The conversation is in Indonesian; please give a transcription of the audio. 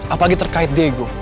apalagi terkait dego